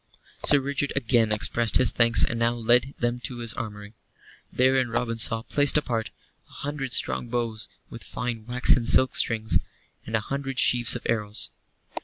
Sir Richard again expressed his thanks, and now led them to his armory. Therein Robin saw, placed apart, a hundred strong bows with fine waxen silk strings, and a hundred sheaves of arrows.